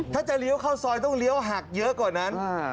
ถ้าจะเลี้ยวเข้าซอยต้องเลี้ยวหักเยอะกว่านั้น